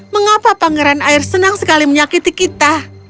mengapa pangeran air senang sekali menyakiti kita